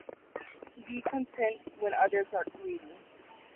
Be content when others are greedy.